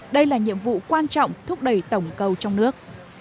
đây là nhiệm vụ quan trọng thúc đẩy tổng cầu trong nước